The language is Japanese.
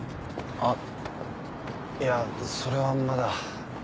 あっいやそれはまだ。